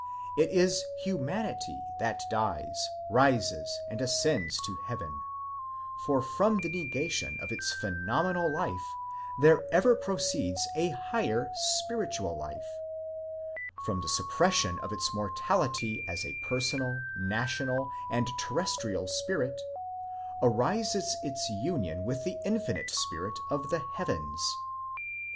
It is Humanity that dies, rises, and ascends to heaven, for from the negation of its phenomenal life there ever proceeds a higher spiritual life; from the suppression of its mortality as a personal, national, and terrestrial spirit, arises its union with the infinite spirit of the heavens.